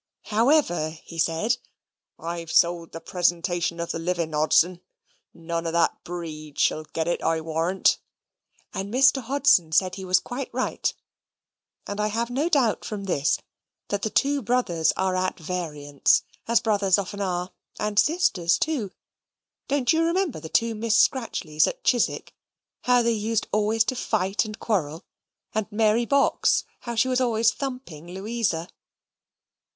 However, he said, "I've sold the presentation of the living, Hodson; none of that breed shall get it, I war'nt"; and Mr. Hodson said he was quite right: and I have no doubt from this that the two brothers are at variance as brothers often are, and sisters too. Don't you remember the two Miss Scratchleys at Chiswick, how they used always to fight and quarrel and Mary Box, how she was always thumping Louisa?